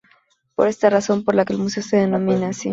Es por esta razón por la que el Museo se denomina así.